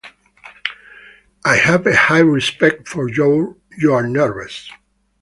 I have a high respect for your nerves.